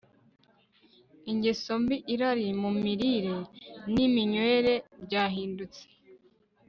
ingeso mbi Irari mu mirire niminywere ryahindutse